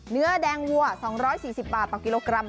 เนื้อแดงวัว๒๔๐บาทต่อกิโลกรัม